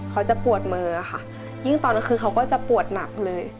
เขาจะปวดมือค่ะยิ่งตอนนั้นคือเขาก็จะปวดหนักเลย